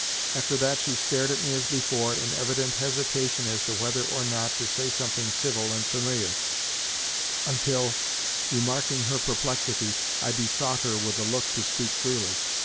After that she stared at me as before, in evident hesitation as to whether or not to say something civil and familiar, until, remarking her perplexity, I besought her with a look to speak freely.